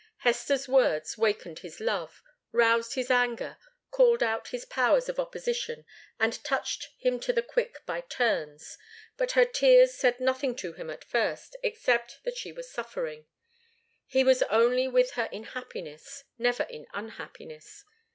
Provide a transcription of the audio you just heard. Hester's words wakened his love, roused his anger, called out his powers of opposition, and touched him to the quick by turns; but her tears said nothing to him at first, except that she was suffering. He was only with her in happiness, never in unhappiness.